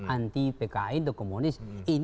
anti pki atau komunis